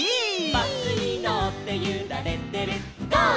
「バスにのってゆられてるゴー！